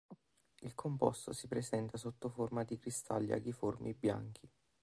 Il composto si presenta sotto forma di cristalli aghiformi bianchi.